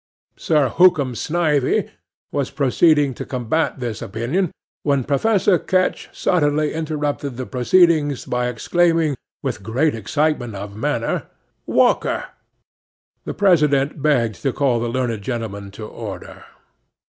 Sir Hookham Snivey was proceeding to combat this opinion, when Professor Ketch suddenly interrupted the proceedings by exclaiming, with great excitement of manner, "Walker!" 'THE PRESIDENT begged to call the learned gentleman to order.